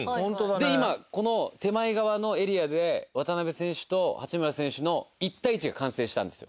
今、この手前側のエリアで渡邊選手と八村選手の１対１が完成したんですよ。